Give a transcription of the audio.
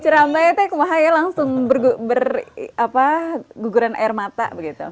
dirambai itu bahaya langsung berguguran air mata